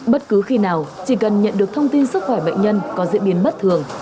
bất cứ khi nào chỉ cần nhận được thông tin sức khỏe bệnh nhân có diễn biến bất thường